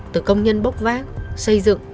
từ công nhân bốc vác xây dựng